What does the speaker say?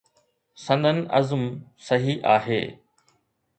سندن عزم صحيح آهي.